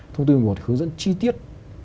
thông tư một mươi một hướng dẫn chi tiết